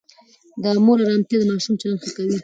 د مور آرامتیا د ماشوم چلند ښه کوي.